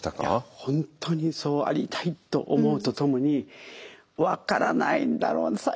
いや本当にそうありたいと思うとともに分からないんだろうな